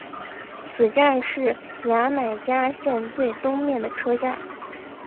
此站是牙买加线最东面的车站。